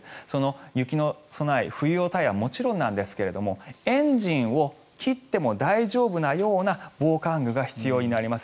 雪の備え、冬用タイヤはもちろんですがエンジンを切っても大丈夫なような防寒具が必要になります。